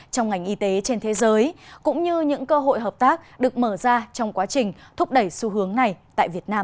trong ngành y tế trên thế giới cũng như những cơ hội hợp tác được mở ra trong quá trình thúc đẩy xu hướng này tại việt nam